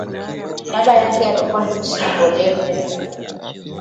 Baba yake alikuwa mpishi mbobevu